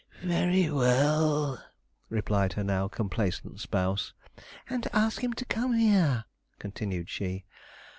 'Very well,' replied her now complacent spouse. 'And ask him to come here,' continued she.